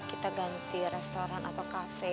kita ganti restoran atau kafe